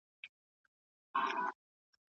زه به غزل درته لیکم ته درخانۍ سه راته